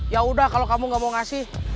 yaudah kalau kamu gak mau ngasih